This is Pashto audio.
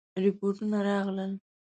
رپوټونه راغلل.